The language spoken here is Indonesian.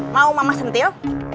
mau mama sentil